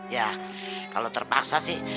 ya kalau terpaksa sih